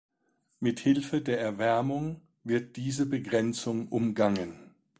Mit Hilfe der Erwärmung wird diese Begrenzung umgangen.